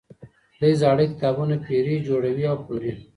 دی زاړه کتابونه پيري، جوړوي او پلوري.